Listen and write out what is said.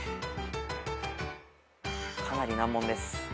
かなり難問です。